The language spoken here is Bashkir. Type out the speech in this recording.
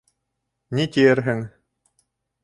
Ни тиерһең?